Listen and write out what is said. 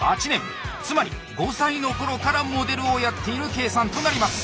つまり５歳のころからモデルをやっている計算となります。